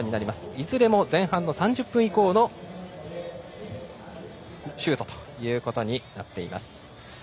いずれも前半３０分以降のシュートということになっています。